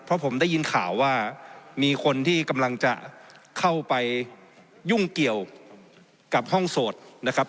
เพราะผมได้ยินข่าวว่ามีคนที่กำลังจะเข้าไปยุ่งเกี่ยวกับห้องโสดนะครับ